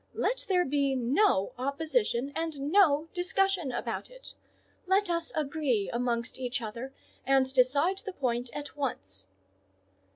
Let there be no opposition, and no discussion about it; let us agree amongst each other, and decide the point at once."